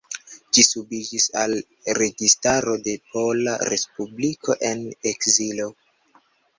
Ĝi subiĝis al la Registaro de Pola Respubliko en ekzilo.